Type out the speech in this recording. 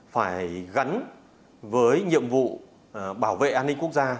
phải gắn với nhiệm vụ bảo vệ an ninh quốc gia